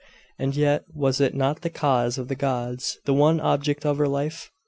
And yet was it not the cause of the gods the one object of her life?